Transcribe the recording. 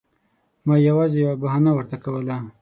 ما یوازې یوه بهانه ورته کوله.